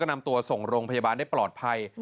นำตัวส่งโรงพยาบาลได้ปลอดภัย